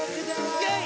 イェイ！